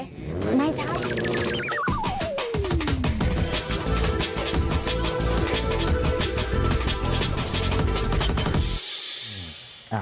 ไม่ใช่